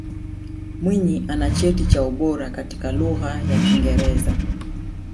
Mwinyi ana cheti cha ubora katika Lugha ya Kiingereza